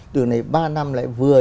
từ này ba năm lại vừa